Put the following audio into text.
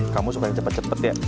kamu suka yang cepet cepet ya